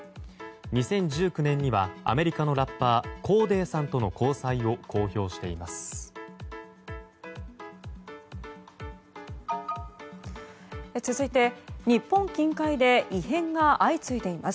２０１９年には、アメリカのラッパー、コーデーさんとの交際を公表しています。